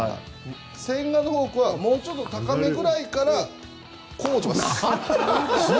千賀のフォークはもうちょっと高めぐらいからこう、落ちます。